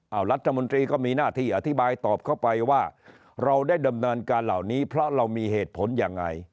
เอารัฐมนตรีก็มีหน้าที่อธิบายตอบเข้าไปว่าเราได้ดำเนินการเหล่านี้เพราะเรามีเหตุผลยังไง